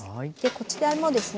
こちらもですね